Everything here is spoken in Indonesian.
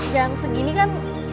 jam segini kan